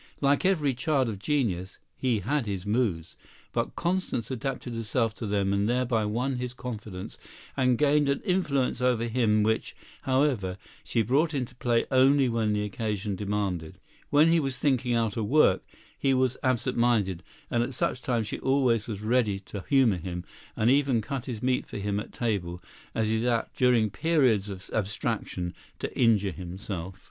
Like every child of genius, he had his moods, but Constance adapted herself to them and thereby won his confidence and gained an influence over him which, however, she brought into play only when the occasion demanded. When he was thinking out a work, he was absent minded, and at such times she always was ready to humor him, and even cut his meat for him at table, as he was apt during such periods of abstraction to injure himself.